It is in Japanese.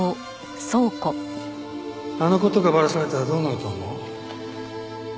あの事がバラされたらどうなると思う？